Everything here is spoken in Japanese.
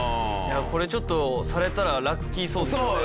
これちょっとされたらラッキーそうですね。